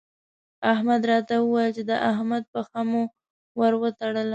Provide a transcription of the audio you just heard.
احمد راته وويل چې د احمد پښه مو ور وتړله.